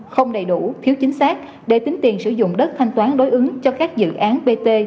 không đầy đủ thiếu chính xác để tính tiền sử dụng đất thanh toán đối ứng cho các dự án bt